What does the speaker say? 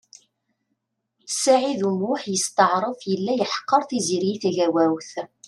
Saɛid U Muḥ yesṭeɛref yella yeḥqer Tiziri Tagawawt.